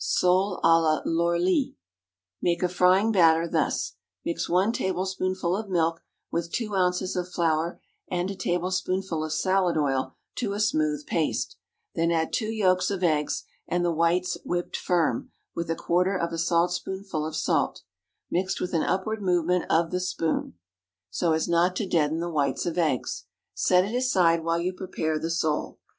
Sole à l'Horly. Make a frying batter thus: mix one tablespoonful of milk with two ounces of flour and a tablespoonful of salad oil to a smooth paste; then add two yolks of eggs, and the whites whipped firm, with a quarter of a saltspoonful of salt; mix with an upward movement of the spoon, so as not to deaden the whites of eggs. Set it aside while you prepare the sole.